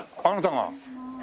あなたが？